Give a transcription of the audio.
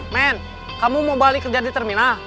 men kamu mau balik kerja di terminal